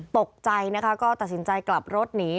ตกใจนะคะก็ตัดสินใจกลับรถหนี